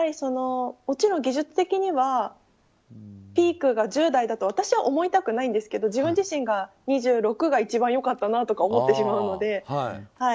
もちろん、技術的にはピークが１０代だと私は思いたくないんですけど自分自身が２６が一番良かったなとか思ってしまうので。